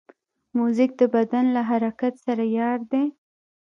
موزیک د بدن له حرکت سره یار دی.